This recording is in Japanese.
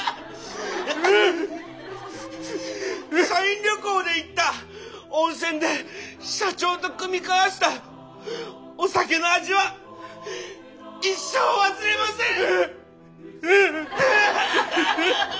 「社員旅行で行った温泉で社長と酌み交わしたお酒の味は一生忘れません！」。